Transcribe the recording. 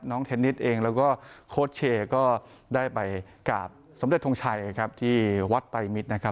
เทนนิสเองแล้วก็โค้ชเชย์ก็ได้ไปกราบสมเด็จทงชัยครับที่วัดไตรมิตรนะครับ